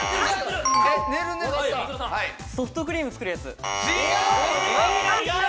ソフトクリーム作るやつ。